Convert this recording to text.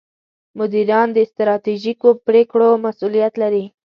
مدیران د ستراتیژیکو پرېکړو مسوولیت لري.